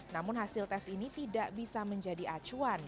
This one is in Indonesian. namun hasil tes ini tidak bisa menjadi acuan